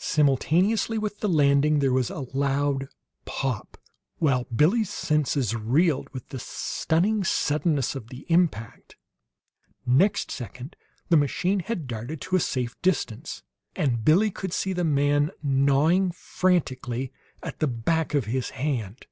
Simultaneously with the landing there was a loud pop, while Billie's senses reeled with the stunning suddenness of the impact. Next second the machine had darted to a safe distance, and Billie could see the man gnawing frantically at the back of his hand.